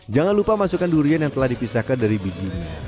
jangan lupa masukkan durian yang telah dipisahkan dari biji